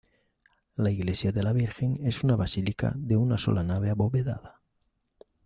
La iglesia de la Virgen es una basílica de una sola nave abovedada.